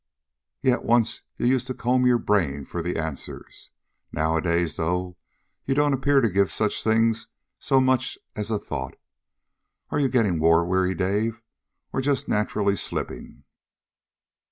Yet once you used to comb your brain for the answers. Nowadays, though, you don't appear to give such things so much as a thought. Are you getting war weary, Dave, or just naturally slipping."